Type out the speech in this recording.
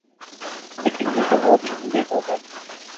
لیکن میں جواب نہیں دے پاتا ۔